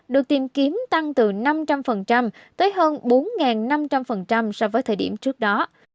được tìm kiếm tăng từ năm trăm linh tới hơn bốn năm trăm linh so với thời điểm trước đó